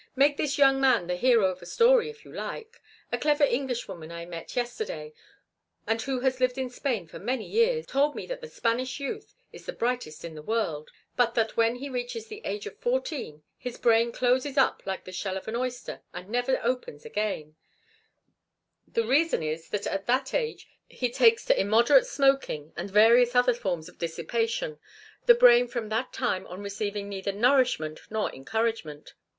"Make this young man the hero of a story if you like. A clever Englishwoman I met yesterday, and who has lived in Spain for many years, told me that the Spanish youth is the brightest in the world, but that when he reaches the age of fourteen his brain closes up like the shell of an oyster and never opens again; the reason is that at that age he takes to immoderate smoking and various other forms of dissipation, the brain from that time on receiving neither nourishment nor encouragement.